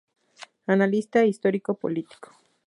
Analista histórico-político.